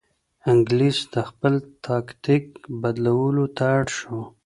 انګلیس د خپل تاکتیک بدلولو ته اړ شو.